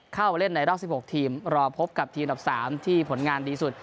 เข้ามาเล่นในรอบสิบหกทีมรอพบกับทีมดับสามที่ผลงานดีสุด